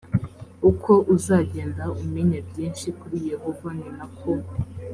uko uzagenda umenya byinshi kuri yehova ni na ko